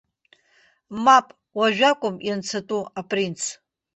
Мап, уажә акәым ианцатәу, апринц.